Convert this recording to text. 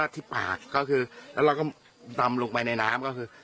ที่ปากก็คือแล้วเราก็ดำลงไปในน้ำก็คือ